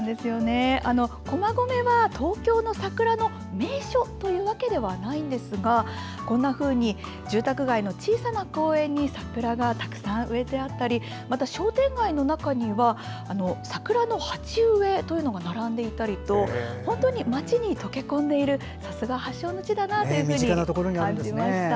駒込は東京の桜の名所というわけではないんですがこんなふうに住宅街の小さな公園に桜がたくさん植えてあったり商店街の中には桜の鉢植えというのが並んでいたりと本当に町に溶け込んでいるさすが発祥の地だなと感じました。